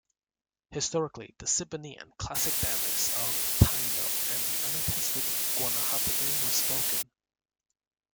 Historically, the Ciboney and Classic dialects of Taino and the unattested Guanahatabey were spoken.